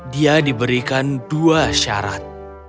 dia diberikan dua syarat